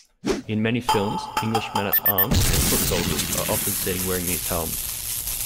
In many films, English men-at-arms and foot soldiers are often seen wearing these helms.